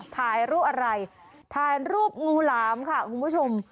ถ่ายรูปอะไรถ่ายรูปงูหลามค่ะคุณผู้ชม